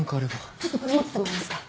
ちょっとこれ持っててもらえますか？